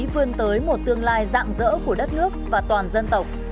vươn tới một tương lai dạng dỡ của đất nước và toàn dân tộc